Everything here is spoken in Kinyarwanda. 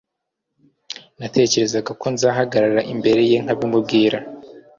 natekerezaga ko nzahagarara imbere ye nkabimu bwira